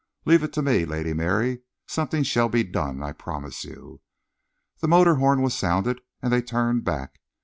"Leave it to me, Lady Mary. Something shall be done, I promise you." The motor horn was sounding and they turned back.